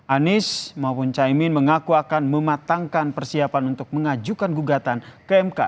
anies maupun caimin mengaku akan mematangkan persiapan untuk mengajukan gugatan ke mk